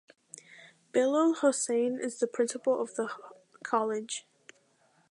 Bilal Hossain is the principal of the college.